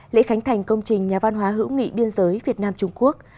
lễ khánh thành công trình nhà văn hóa hữu nghị biên giới việt nam trung quốc